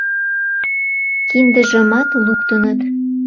Киндыжымат луктыныт?